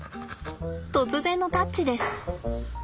突然のタッチです。